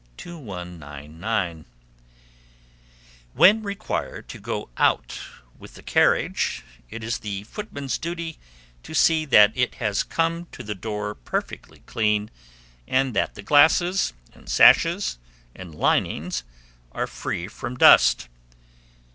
2199. When required to go out with the carriage, it is the footman's duty to see that it has come to the door perfectly clean, and that the glasses, and sashes, and linings, are free from dust.